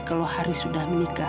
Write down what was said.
kalau haris sudah menikah